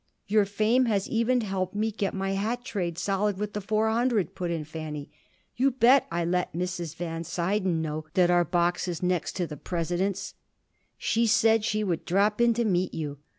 "Your fame has even helped me get my hat trade solid with the Four Hundred," put in Fanny. "You bet I let Mrs. Van Suyden know that our box is next to the President's. She said she would drop in to meet you.